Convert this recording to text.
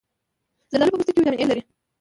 زردالو په پوستکي کې ویټامین A لري.